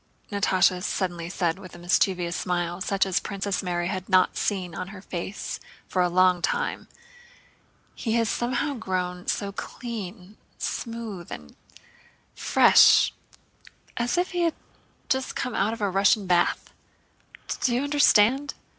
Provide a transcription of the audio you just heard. Natásha suddenly said with a mischievous smile such as Princess Mary had not seen on her face for a long time, "he has somehow grown so clean, smooth, and fresh—as if he had just come out of a Russian bath; do you understand?